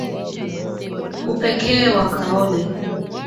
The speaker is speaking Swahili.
UPEKEE WA KAOLE